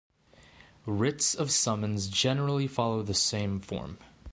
Writs of summons generally follow the same form.